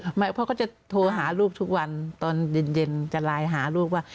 เพราะเขาจะโทรหาลูกทุกวันตอนเย็นจะไลน์หาลูกว่า